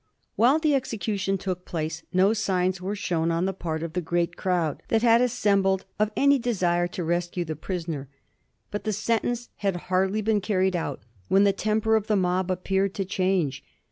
While the execution took place no signs were shown on the part of the great crowd that had assembled of any desire to rescue the prisoner. But the sentence had hard ly been carried out when the temper of the mob appeared to change.